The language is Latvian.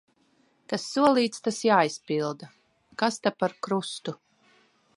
Kas solīts, tas jāizpilda. Kas ta par krustu.